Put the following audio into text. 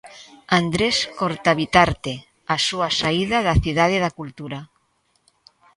Andrés Cortabitarte, á súa saída da Cidade da Cultura.